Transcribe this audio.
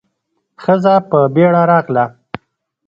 ښځه په بيړه راغله.